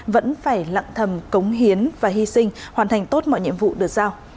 vẫn phải lặng thầm cống hiến và hy sinh hoàn thành tốt mọi nhiệm vụ được giao